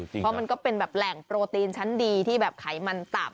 เพราะมันก็เป็นแบบแหล่งโปรตีนชั้นดีที่แบบไขมันต่ำ